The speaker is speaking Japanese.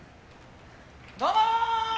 どうも！